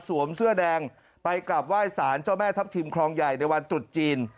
เสื้อแดงไปกลับไหว้สารเจ้าแม่ทัพทิมคลองใหญ่ในวันตรุษจีน